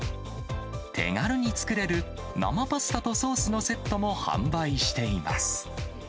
手軽に作れる生パスタとソースのセットも販売しています。